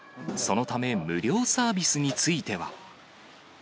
そのため無料サービスについては。